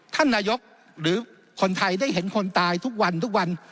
ท่านนายกหรือคนไทยได้เห็นคนตายทุกวันทุกวัน